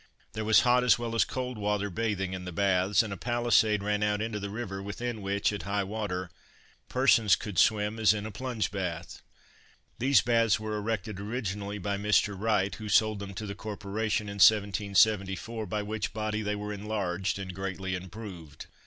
There was hot as well as cold water bathing in the baths, and a palisade ran out into the river, within which, at high water, persons could swim, as in a plunge bath. These baths were erected originally by Mr. Wright, who sold them to the corporation in 1774, by which body they were enlarged and greatly improved.